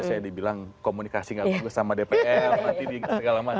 saya dibilang komunikasi gak bagus sama dpr nanti di segala macam